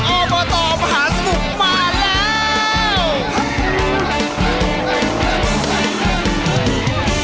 ออโมโตร์มหาสนุกมาแล้ว